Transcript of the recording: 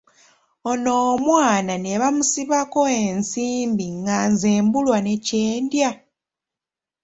Ono omwana ne bamusibako ensimbi nga nze mbulwa ne kye ndya!